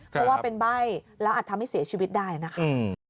เพราะว่าเป็นใบ้แล้วอาจทำให้เสียชีวิตได้นะคะ